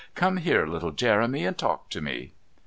Come here, little Jeremy, and talk to me!"